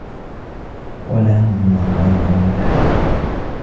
وَلَهُمْ مَقَامِعُ مِنْ حَدِيدٍ